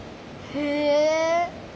へえ。